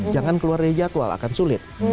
jangan keluar dari jadwal akan sulit